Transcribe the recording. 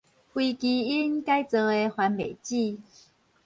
非基因改造的番麥子